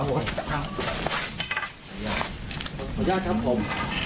ขออนุญาตครับผม